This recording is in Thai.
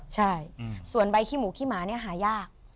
ใช่ส่วนใบขี้หมูขี้หมาเนี่ยหายาก